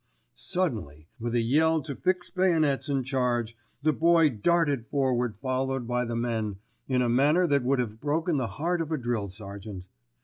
Suddenly, with a yell to fix bayonets and charge, the Boy darted forward followed by the men in a manner that would have broken the heart of a drill sergeant.